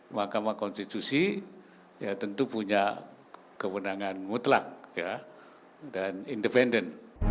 mahkamah konstitusi ya tentu punya kewenangan mutlak dan independen